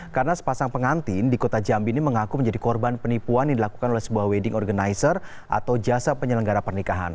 karena sepasang pengantin di kota jambi ini mengaku menjadi korban penipuan dilakukan oleh sebuah wedding organizer atau jasa penyelenggara pernikahan